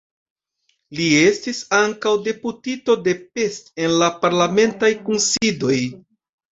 Li estis ankaŭ deputito de Pest en la parlamentaj kunsidoj.